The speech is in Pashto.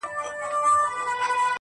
د مجسمې انځور هر ځای ځوړند ښکاري-